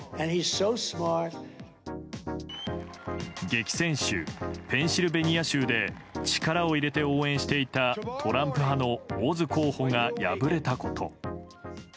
激戦州ペンシルベニア州で力を入れて応援していたトランプ派のオズ候補が敗れたこと。